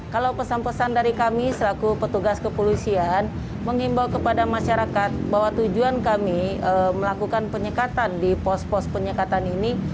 kalau pesan pesan dari kami selaku petugas kepolisian mengimbau kepada masyarakat bahwa tujuan kami melakukan penyekatan di pospon